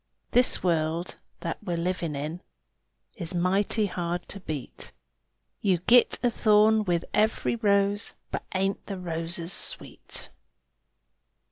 This world that we're a livin' in Is mighty hard to beat; You git a thorn with every rose, But _ain't _the roses sweet!